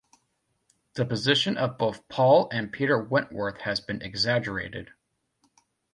The position of both Paul and Peter Wentworth has been exaggerated.